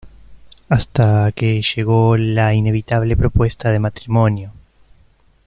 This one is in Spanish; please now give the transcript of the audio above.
Hasta que llegó la inevitable propuesta de matrimonio.